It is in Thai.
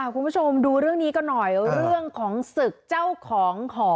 คุณผู้ชมดูเรื่องนี้กันหน่อยเรื่องของศึกเจ้าของหอ